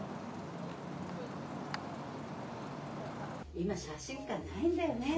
今写真館ないんだよね。